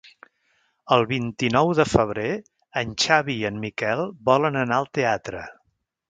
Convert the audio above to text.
El vint-i-nou de febrer en Xavi i en Miquel volen anar al teatre.